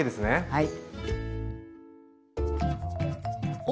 はい。